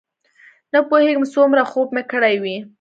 نه پوهېږم څومره خوب به مې کړی وي.